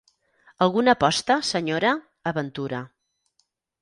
Alguna aposta, senyora? —aventura.